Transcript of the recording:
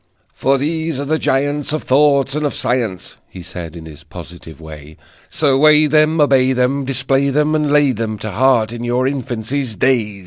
"For these are the giants Of thought and of science," He said in his positive way: "So weigh them, obey them, Display them, and lay them To heart in your infancy's day!"